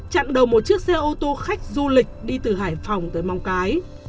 chặn đầu một chiếc xe ô tô khách du lịch đi từ hải phòng tới mong cái